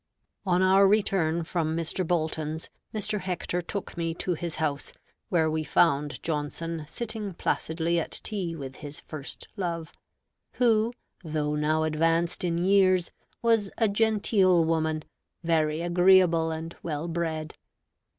On our return from Mr. Bolton's, Mr. Hector took me to his house, where we found Johnson sitting placidly at tea with his first love; who, though now advanced in years, was a genteel woman, very agreeable and well bred.